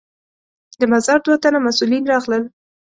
د مزار دوه تنه مسوولین راغلل.